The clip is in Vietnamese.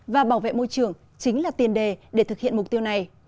và bảo vệ môi trường chính là tiền đề để thực hiện mục tiêu này